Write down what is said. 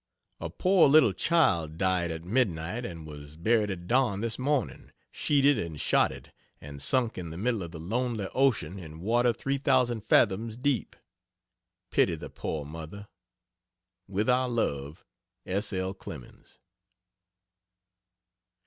A poor little child died at midnight and was buried at dawn this morning sheeted and shotted, and sunk in the middle of the lonely ocean in water three thousand fathoms deep. Pity the poor mother. With our love. S. L. CLEMENS.